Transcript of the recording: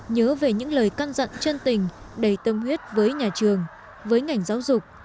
nhớ về những lời căn dặn chân tình đầy tâm huyết với nhà trường với ngành giáo dục